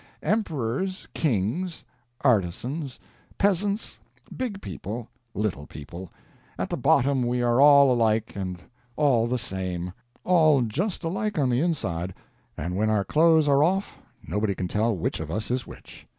Emperors, kings, artisans, peasants, big people, little people at the bottom we are all alike and all the same; all just alike on the inside, and when our clothes are off, nobody can tell which of us is which.